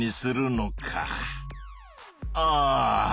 ああ！